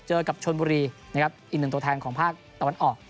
กับชนบุรีนะครับอีกหนึ่งตัวแทนของภาคตะวันออก